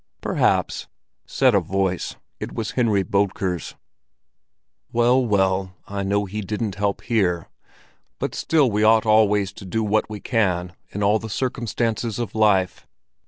"Perhaps," said a voice. It was Henry Bodker's. "Well, well, I know He didn't help here, but still we ought always to do what we can in all the circumstances of life.